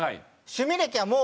趣味歴はもう。